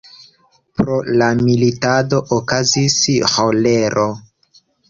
Pro la militado okazis ĥolero.